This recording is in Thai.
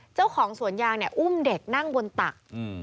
เจ้าของสวนยางเนี่ยอุ้มเด็กนั่งบนตัก